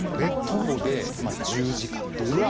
徒歩で１０時間とか。